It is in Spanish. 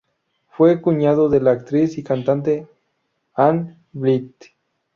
Fue cuñado de la actriz y cantante Ann Blyth.